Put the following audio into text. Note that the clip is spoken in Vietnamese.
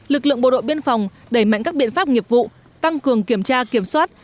lực lượng bộ đội biên phòng đẩy mạnh các biện pháp nghiệp vụ tăng cường kiểm tra kiểm soát